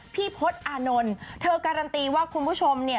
พี่พศอานนท์เธอการันตีว่าคุณผู้ชมเนี่ย